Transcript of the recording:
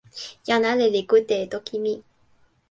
jan ale li kute e toki mi.